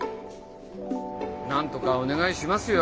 なんとかお願いしますよ。